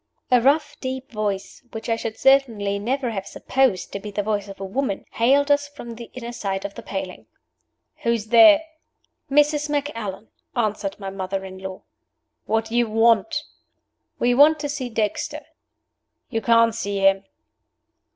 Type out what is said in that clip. A rough, deep voice, which I should certainly never have supposed to be the voice of a woman, hailed us from the inner side of the paling. "Who's there?" "Mrs. Macallan," answered my mother in law. "What do you want?" "We want to see Dexter." "You can't see him."